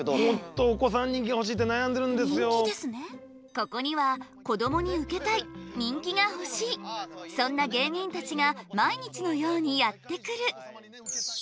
ここにはこどもにウケたい人気が欲しいそんな芸人たちが毎日のようにやって来る。